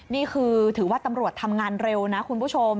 นี่คือถือว่าตำรวจทำงานเร็วนะคุณผู้ชม